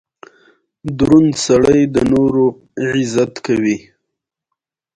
د سوړ جنګ په وخت کې او هم د تروریزم په نوم